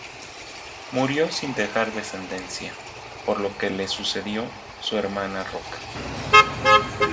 Murió sin dejar descendencia, por lo que le sucedió su hermana Rocca.